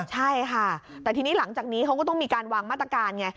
ใช่ค่ะแต่ทีนี้หลังจากนี้เขาก็ต้องมีการวางมาตรการไง